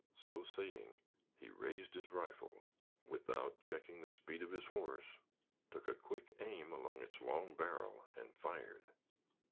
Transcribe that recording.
So saying, he raised his rifle, without checking the speed of his horse, took a quick aim along its long barrel and fired.